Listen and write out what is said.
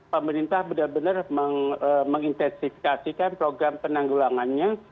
pemerintah benar benar mengintensifikasikan program penanggulangannya